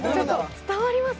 伝わります。